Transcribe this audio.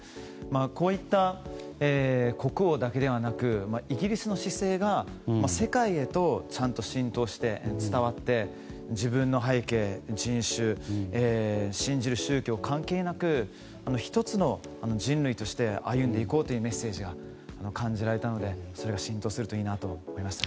こういった国王だけではなくイギリスの姿勢が世界へとちゃんと浸透して伝わって自分の背景、人種信じる宗教関係なく１つの人類として歩んでいこうというメッセージが感じられたのでそれが浸透するといいなと思いました。